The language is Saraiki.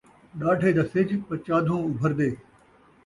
ݙاڈھے دا سِجھ پچادھوں ابھردے